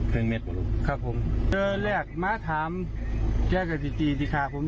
เครื่องเม็ดผมรู้ครับผมเชื้อแรกม้าถามแก้กับดิดดิค่ะผม